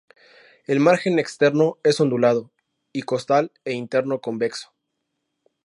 El margen externo es ondulado y costal e interno convexo.